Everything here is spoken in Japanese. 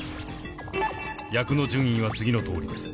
役の順位は次のとおりです。